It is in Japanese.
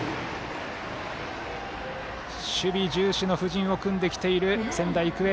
守備重視の布陣を組んできている仙台育英。